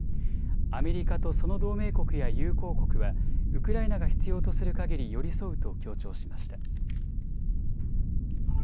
アメリカとその同盟国や友好国はウクライナが必要とするかぎり寄り添うと強調しました。